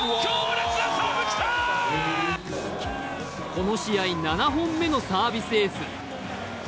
この試合７本目のサービスエース。